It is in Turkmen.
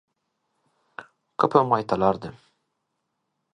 Köpem gaýtalardy.